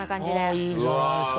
あいいじゃないですか。